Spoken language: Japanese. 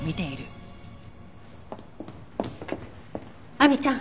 亜美ちゃん